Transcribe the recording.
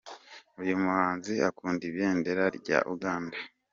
Uyu muhanzi akunda ibendera rya Uganda.